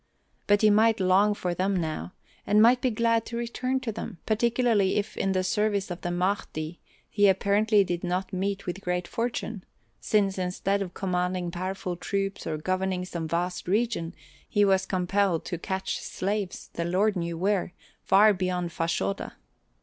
But he might long for them now, and might be glad to return to them, particularly if in the service of the Mahdi he apparently did not meet with great fortune, since instead of commanding powerful troops or governing some vast region he was compelled to catch slaves the Lord knew where far beyond Fashoda.